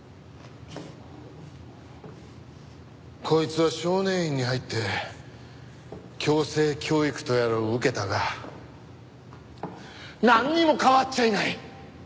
こいつは少年院に入って矯正教育とやらを受けたがなんにも変わっちゃいない。